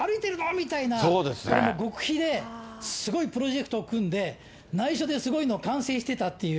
みたいな、極秘で、すごいプロジェクトを組んで、ないしょですごいのを完成してたっていう。